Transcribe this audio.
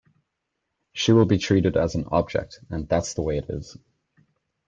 She will be treated as an object and that's the way it is.